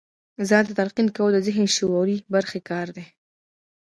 ځان ته تلقين کول د ذهن د شعوري برخې کار دی.